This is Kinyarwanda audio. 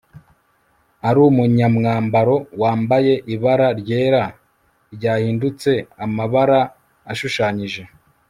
arumunyamwambaro wambaye ibara ryera ryahindutse amabara ashushanyije